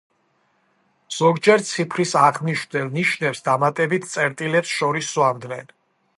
ზოგჯერ ციფრის აღმნიშვნელ ნიშნებს დამატებით წერტილებს შორის სვამდნენ.